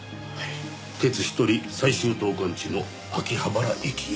鉄１人最終投函地の秋葉原駅へ。